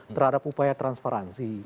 terhadap upaya transparansi